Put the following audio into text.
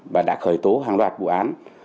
và đã khởi tố hàng loạt vụ án